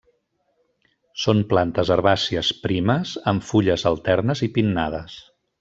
Són plantes herbàcies primes amb fulles alternes i pinnades.